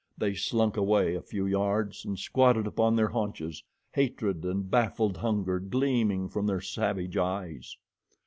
They slunk away a few yards and squatted upon their haunches, hatred and baffled hunger gleaming from their savage eyes.